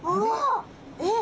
えっ？